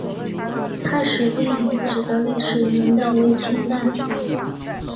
太史第遗址的历史年代为清代。